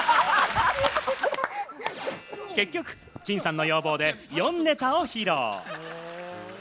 結局、ちんさんの要望で４ネタを披露。